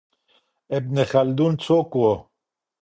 ابن خلدون څوک و؟